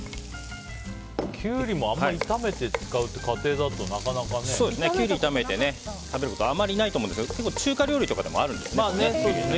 キュウリもあんまり炒めて使うって、家庭だとキュウリ炒めて食べることあまりないと思うんですが中華料理とかでもあるんですよね。